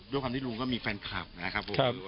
ด้วยความที่รู้ก็คุณสามารถมีแฟนคลับ